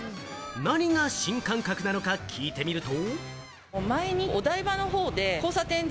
何が新感覚なのか聞いてみると。